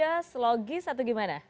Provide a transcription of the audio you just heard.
konses logis atau bagaimana